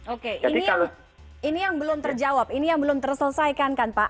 oke ini yang belum terjawab ini yang belum terselesaikan kan pak